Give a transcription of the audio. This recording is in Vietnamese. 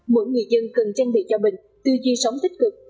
mỗi người dân cần trang bị cho mình tư duy sống tích cực